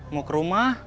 mau ke rumah